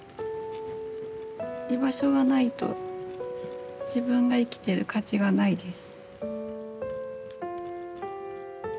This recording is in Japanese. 居場所がないと自分が生きてる価値がないです。